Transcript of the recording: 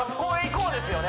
そうですよね！